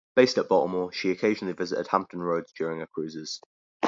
Based at Baltimore, she occasionally visited Hampton Roads during her cruises.